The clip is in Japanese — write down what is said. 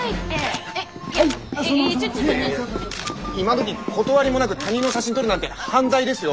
今どき断りもなく他人の写真撮るなんて犯罪ですよ。